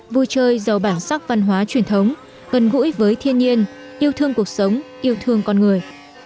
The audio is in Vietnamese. vui chơi giàu bản sắc văn hóa truyền thống gần gũi với thiên nhiên yêu thương cuộc sống yêu thương con người